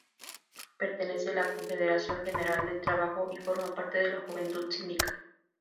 Pertenece a la Confederación General del Trabajo y forma parte de la Juventud Sindical.